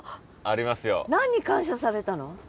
何に感謝されたの？